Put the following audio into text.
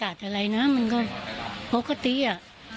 มันคือคนรายกาศอะไรนะมันก็โปรกตีอ่ะ